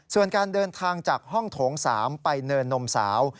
ส่วนการเดินทางจากห้องโถง๓ไปเนินนมสาว